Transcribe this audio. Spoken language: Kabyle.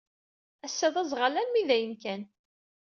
Ass-a, d aẓɣal armi d ayen kan.